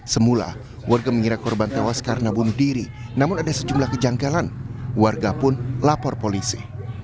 semula warga mengira korban tewas karena bunuh diri namun ada sejumlah kejanggalan warga pun lapor polisi